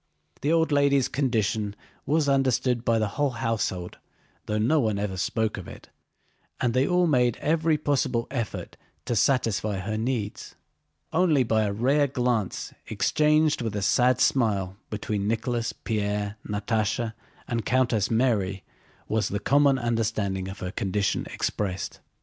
The old lady's condition was understood by the whole household though no one ever spoke of it, and they all made every possible effort to satisfy her needs. Only by a rare glance exchanged with a sad smile between Nicholas, Pierre, Natásha, and Countess Mary was the common understanding of her condition expressed.